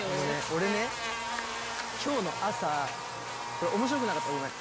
俺ね今日の朝これ面白くなかったらごめん。